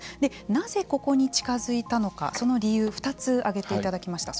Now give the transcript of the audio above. なぜ、ここに近づいたのかその理由２つ挙げていただきました。